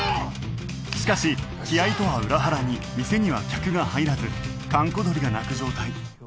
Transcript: しかし気合とは裏腹に店には客が入らず閑古鳥が鳴く状態